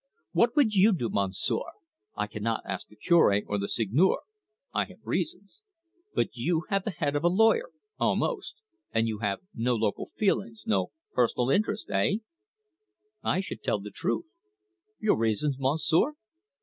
What would you do, Monsieur? I cannot ask the Cure or the Seigneur I have reasons. But you have the head of a lawyer almost and you have no local feelings, no personal interest eh?" "I should tell the truth." "Your reasons, Monsieur?"